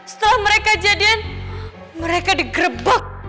setelah mereka jadian mereka digrebek